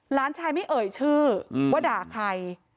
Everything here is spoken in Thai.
หลานชายไม่เอ่ยชื่อว่าด่าใคร